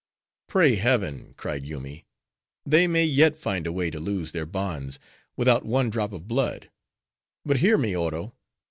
"Pray, heaven!" cried Yoomy, "they may yet find a way to loose their bonds without one drop of blood. But hear me, Oro!